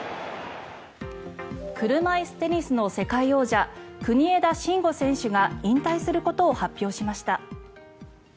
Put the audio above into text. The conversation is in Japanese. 車いすテニスの世界王者国枝慎吾選手が引退することを発表しました。